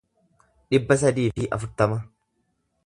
dhibba sadii fi afurtama